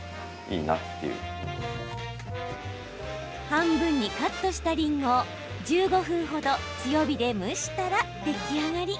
半分にカットしたりんごを１５分程、強火で蒸したら出来上がり。